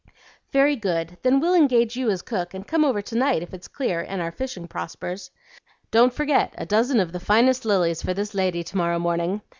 "Very good; then we'll engage you as cook, and come over to night if it's clear and our fishing prospers. Don't forget a dozen of the finest lilies for this lady to morrow morning.